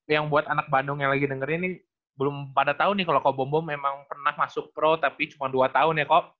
yang buat anak bandung yang lagi dengerin nih belum pada tau nih kalo kok bom bom memang pernah masuk pro tapi cuma dua tahun ya kok